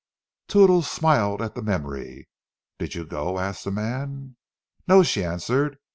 Toodles smiled at the memory. "Did you go?" asked the man. "No," she answered.